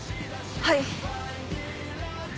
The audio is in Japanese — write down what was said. はい